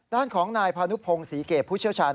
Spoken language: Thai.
ด้านของนายพานุพงศรีเกตผู้เชี่ยวชาญ